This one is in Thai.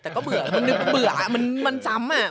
แต่ก็เบื่อมันเบื่อมันจำอ่ะ